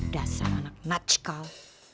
dasar anak natch kau